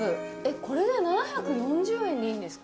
これで７４０円でいいんですか？